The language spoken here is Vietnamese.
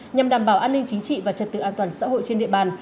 nhằm đảm bảo an ninh chính trị và trật tự an toàn xã hội trên địa bàn